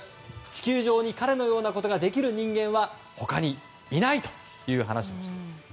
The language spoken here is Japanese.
地球上に彼のようなことができる人間は他にいないという話でした。